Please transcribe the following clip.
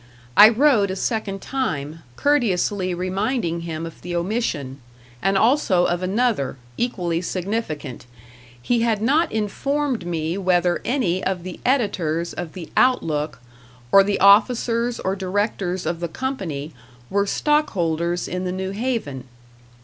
I wrote a second time, courteously reminding him of the omission; and also of another, equally significant he had not informed me whether any of the editors of the "Outlook", or the officers or directors of the Company, were stockholders in the New Haven.